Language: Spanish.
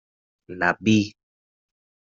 la vi.